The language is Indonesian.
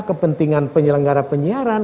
kepentingan penyelenggara penyiaran